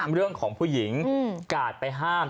เรื่องของผู้หญิงกาดไปห้าม